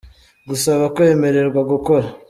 Gusaba kwemererwa gukora